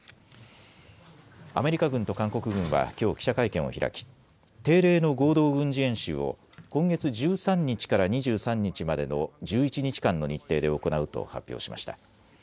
アメリカ軍と韓国軍はきょう記者会見を開き、定例の合同軍事演習を今月１３日から２３日までの１１日間の日程で行うと発表しました。